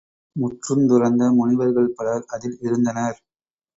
முற்றுந்துறந்த முனிவர்கள் பலர் அதில் இருந்தனர்.